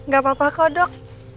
gak apa apa kok dok